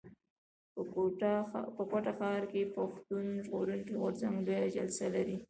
په کوټه ښار کښي پښتون ژغورني غورځنګ لويه جلسه لري.